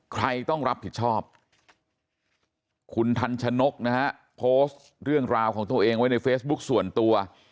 ใครต้องรับผิดชอบคุณทันชนกนะฮะโพสต์เรื่องราวของตัวเองไว้ในเฟซบุ๊คส่วนตัว